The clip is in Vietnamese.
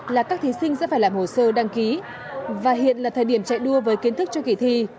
là các thí sinh sẽ phải làm hồ sơ đăng ký và hiện là thời điểm chạy đua với kiến thức cho kỳ thi